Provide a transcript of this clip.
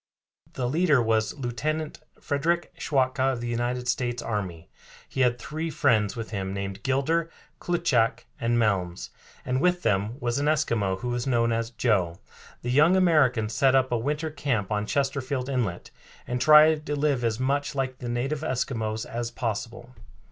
The leader was Lieutenant Frederick Schwatka, of the United States Army. He had three friends with him named Gilder, Klutschak, and Melms, and with them was an Eskimo, who was known as Joe. The young Americans set up a winter camp on Chesterfield Inlet, and tried to live as much like the native Eskimos as possible.